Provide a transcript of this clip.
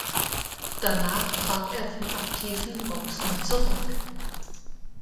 Danach trat er vom aktiven Boxen zurück.